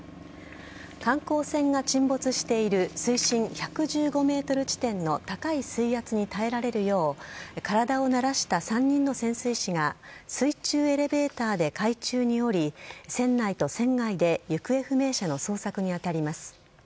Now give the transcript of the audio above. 観光船が沈没している水深１１５ｍ地点の高い水圧に耐えられるよう体を慣らした３人の潜水士が水中エレベーターで海中に下り船内と船外で行方不明者の捜索に当たります。